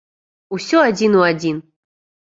Усё адзін у адзін!